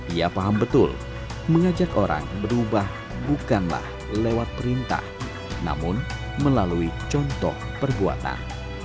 ia paham betul mengajak orang berubah bukanlah lewat perintah namun melalui contoh perbuatan